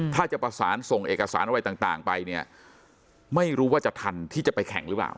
ถ้าจะประสานส่งเอกสารอะไรต่างไปเนี่ยไม่รู้ว่าจะทันที่จะไปแข่งหรือเปล่า